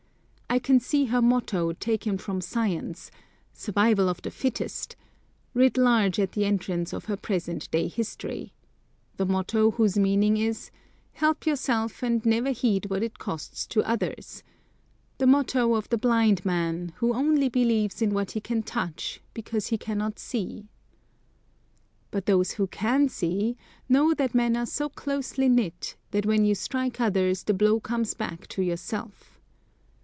I can see her motto, taken from science, "Survival of the Fittest," writ large at the entrance of her present day history the motto whose meaning is, "Help yourself, and never heed what it costs to others"; the motto of the blind man, who only believes in what he can touch, because he cannot see. But those who can see, know that men are so closely knit, that when you strike others the blow comes back to yourself.